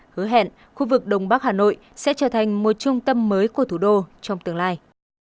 hứa hẹn khu vực đông bắc hà nội sẽ trở thành một trung tâm mới của thủ đô trong tương lai